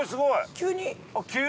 急に。